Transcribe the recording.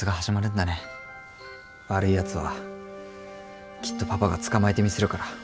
悪いやつはきっとパパが捕まえてみせるから。